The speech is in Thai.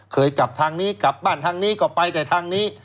กลับทางนี้กลับบ้านทางนี้ก็ไปแต่ทางนี้